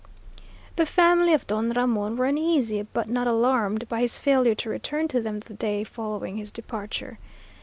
The family of Don Ramon were uneasy but not alarmed by his failure to return to them the day following his departure.